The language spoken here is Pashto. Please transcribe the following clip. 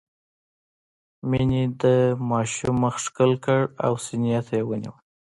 مينې د ماشوم مخ ښکل کړ او سينې ته يې ونيوه.